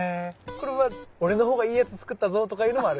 これは俺のほうがいいやつ作ったぞとかいうのもある？